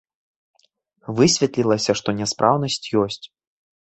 Высветлілася, што няспраўнасць ёсць.